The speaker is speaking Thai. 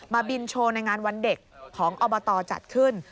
บินโชว์ในงานวันเด็กของอบตจัดขึ้น